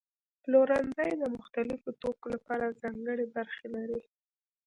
پلورنځي د مختلفو توکو لپاره ځانګړي برخې لري.